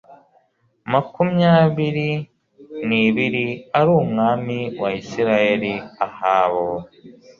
makumyabiri n ibiri ari umwami wa Isirayeli Ahabu